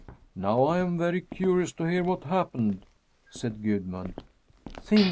"Now I'm very curious to hear what happened," said Gudmund. "Think!